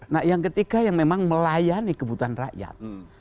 nah yang ketiga yang memang melayani kebutuhan rakyat